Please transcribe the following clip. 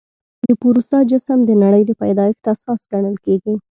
د پوروسا جسم د نړۍ د پیدایښت اساس ګڼل کېږي.